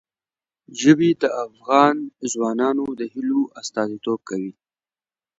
ژبې د افغان ځوانانو د هیلو استازیتوب کوي.